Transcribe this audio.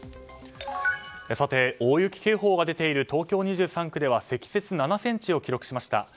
さて、大雪警報が出ている東京２３区では積雪７ｃｍを記録しました。